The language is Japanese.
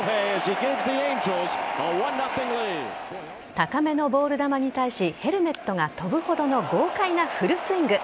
高めのボール球に対しヘルメットが飛ぶほどの豪快なフルスイング。